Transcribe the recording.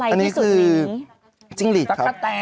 อันนี้คือจิ้งหลีดกะแต